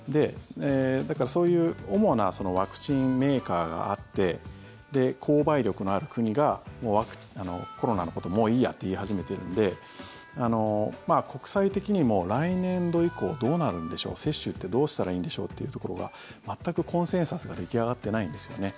だから、そういう主なワクチンメーカーがあって購買力のある国がコロナのこと、もういいやって言い始めてるんで国際的にも来年度以降、どうなるんでしょう接種ってどうしたらいいんでしょうというところが全くコンセンサスが出来上がってないんですよね。